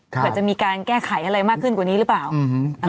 เผื่อจะมีการแก้ไขอะไรมากขึ้นกว่านี้หรือเปล่า